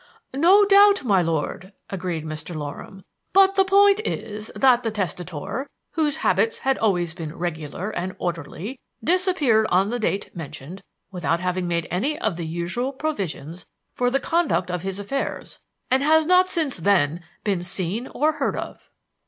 "No doubt, my lord," agreed Mr. Loram; "but the point is that the testator, whose habits had always been regular and orderly, disappeared on the date mentioned without having made any of the usual provisions for the conduct of his affairs, and has not since then been seen or heard of."